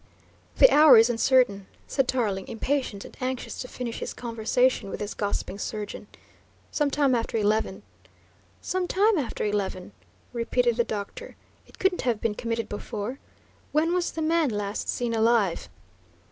"The hour is uncertain," said Tarling, impatient and anxious to finish his conversation with this gossiping surgeon; "some time after eleven." "Some time after eleven," repeated the doctor. "It couldn't have been committed before. When was the man last seen alive?"